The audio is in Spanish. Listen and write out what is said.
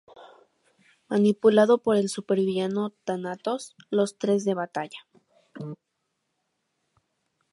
Manipulado por el supervillano Thanatos, los tres de batalla.